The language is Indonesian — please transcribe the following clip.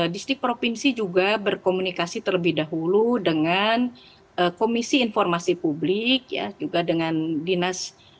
distrik provinsi juga berkomunikasi terlebih dahulu dengan komisi informasi publik juga dengan dinas